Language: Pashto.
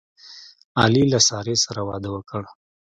علي له سارې سره واده وکړ.